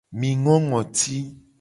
Mi ngo ngoti.